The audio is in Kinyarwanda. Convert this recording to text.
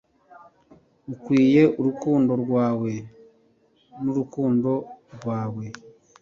ukwiye urukundo rwawe n'urukundo rwawe